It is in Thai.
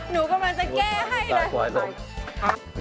หนูกำลังจะแก้ให้เลย